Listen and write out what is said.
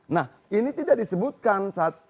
nah ini tidak disebutkan